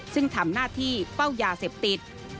ซึ่งทำหน้าที่เฝ้ายาเสพติด